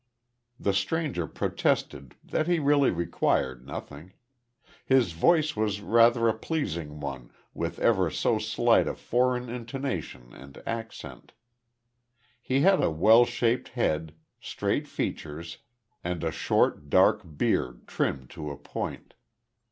The stranger protested that he really required nothing. His voice was rather a pleasing one, with ever so slight a foreign intonation and accent. He had a well shaped head, straight features, and a short dark beard trimmed to a point.